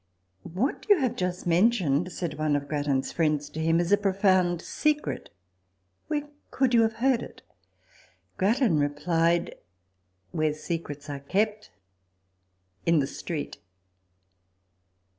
i 130 RECOLLECTIONS OF THE " What you have just mentioned," said one of Grattan's friends to him, " is a profound secret : where could you have heard it ?" Grattan replied, " Where secrets are kept in the street."